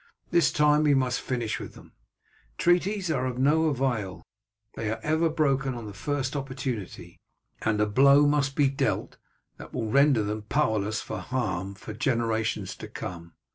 This time we must finish with them; treaties are of no avail they are ever broken on the first opportunity, and a blow must be dealt that will render them powerless for harm for generations to come.